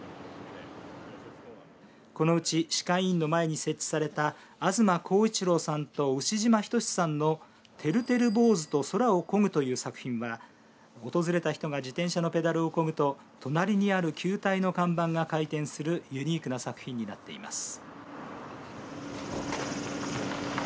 このうち歯科医院の前に設置された東弘一郎さんと牛嶋均さんのてるてる坊主と空を漕ぐという作品は訪れた人が自転車のペダルを漕ぐと隣にある球体の看板が回転するユニークな作品になっています。